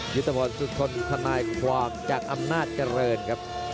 ยุทธพรสุทนทนายความจากอำนาจเจริญครับ